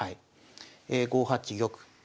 ５八玉。